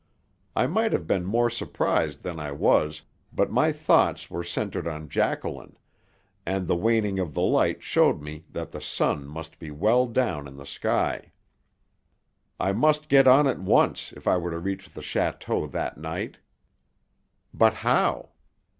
I might have been more surprised than I was, but my thoughts were centred on Jacqueline, and the waning of the light showed me that the sun must be well down in the sky. I must get on at once if I were to reach the château that night. But how?